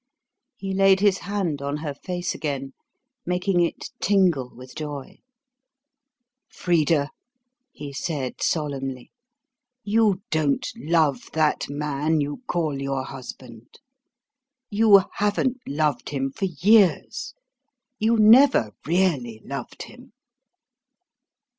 He laid his hand on her face again, making it tingle with joy. "Frida," he said solemnly, "you don't love that man you call your husband.... You haven't loved him for years.... You never really loved him."